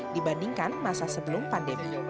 dibandingkan masa sebelum pandemi